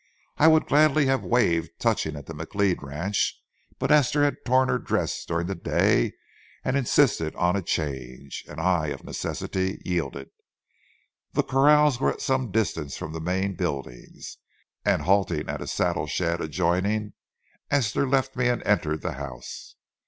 I would gladly have waived touching at the McLeod ranch, but Esther had torn her dress during the day and insisted on a change, and I, of necessity, yielded. The corrals were at some distance from the main buildings, and, halting at a saddle shed adjoining, Esther left me and entered the house.